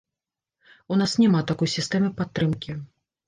У нас няма такой сістэмы падтрымкі.